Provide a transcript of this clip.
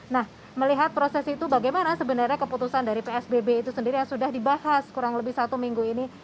nah melihat proses itu bagaimana sebenarnya keputusan dari psbb itu sendiri yang sudah dibahas kurang lebih satu minggu ini